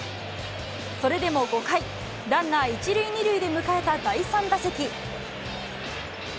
それでも５回、ランナー１塁２塁で迎えた第３打席。